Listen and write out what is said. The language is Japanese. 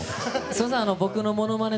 すいません